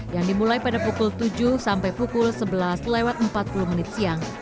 yang dimulai pada pukul tujuh sampai pukul sebelas lewat empat puluh menit siang